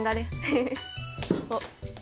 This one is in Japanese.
おっ。